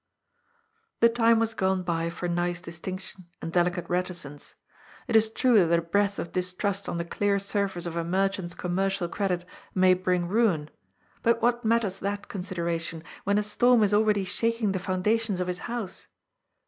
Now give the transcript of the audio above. The time was gone by for nice distinction and delicate reticence. It is true that a breath of distrust on the clear surface of a merchant's commercial credit may bring ruin, but what matters that consideration when a storm is already shaking the foundations of his house